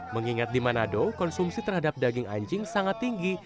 mengingat di manado konsumsi terhadap daging anjing sangat tinggi